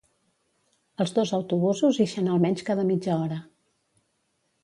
Els dos autobusos ixen almenys cada mitja hora.